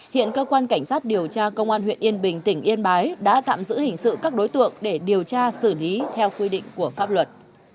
hiện cơ quan cảnh sát điều tra công an huyện yên bình tỉnh yên bái đã tạm giữ hình sự các đối tượng để điều tra xử lý theo quy định của pháp luật